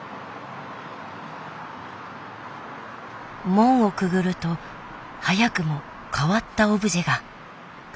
門をくぐると早くも変わったオブジェが。